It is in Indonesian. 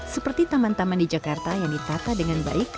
seperti taman taman di jakarta yang ditata dengan baik